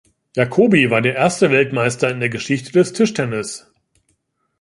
Jacobi war der erste Weltmeister in der Geschichte des Tischtennis.